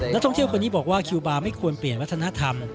ท่องเที่ยวคนนี้บอกว่าคิวบาร์ไม่ควรเปลี่ยนวัฒนธรรม